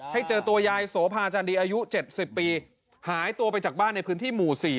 เจอตัวยายโสภาจันดีอายุ๗๐ปีหายตัวไปจากบ้านในพื้นที่หมู่๔